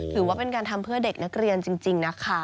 ถือว่าเป็นการทำเพื่อเด็กนักเรียนจริงนะคะ